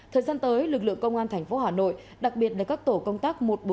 thời gian tới lực lượng công an thành phố hà nội đặc biệt là các tổ công tác một trăm bốn mươi bốn